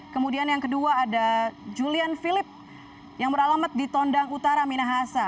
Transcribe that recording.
kemudian yang kedua ada julian philip yang beralamat di tondang utara minahasa